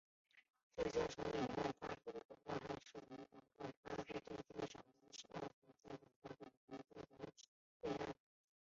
浙江省以外发布的广告还在所属广告发布地的省级食品药品监督管理局进行备案。